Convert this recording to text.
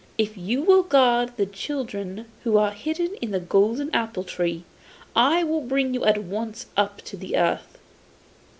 If you will guard the children who are hidden in the golden apple tree, I will bring you at once up to the earth.